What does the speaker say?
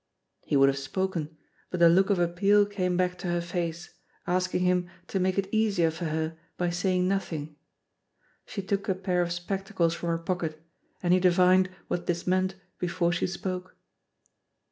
He would have spoken, but the look of appeal came back to her face, asking him to make it easier for her by saying nothing. She took a pair of spectacles from her pocket, and he divined what this meant before she spoke.